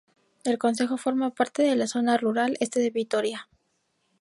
El concejo forma parte de la Zona Rural Este de Vitoria.